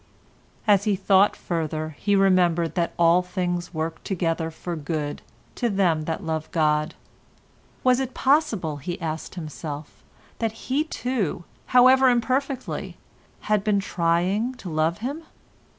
As he thought further he remembered that all things work together for good to them that love God; was it possible, he asked himself, that he too, however imperfectly, had been trying to love him?